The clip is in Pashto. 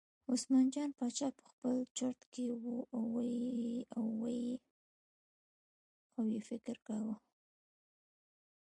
عثمان جان باچا په خپل چورت کې و او یې فکر کاوه.